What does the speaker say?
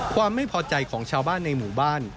ความไม่พอใจของชาวบ้านในหมู่บ้าน